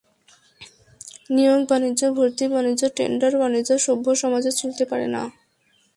নিয়োগ বাণিজ্য, ভর্তি বাণিজ্য, টেন্ডার বাণিজ্য সভ্য সমাজে চলতে পারে না।